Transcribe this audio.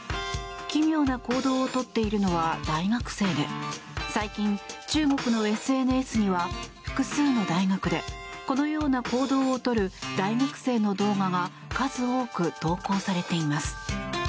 奇妙な行動をとっているのは大学生で最近、中国のＳＮＳには複数の大学でこのような行動をとる大学生の動画が数多く投稿されています。